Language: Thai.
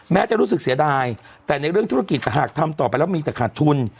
จะรู้สึกเสียดายแต่ในเรื่องธุรกิจหากทำต่อไปแล้วมีแต่ขาดทุน